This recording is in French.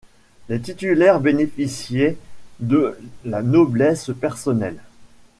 Les titulaires bénéficiaient de la noblesse personnelle.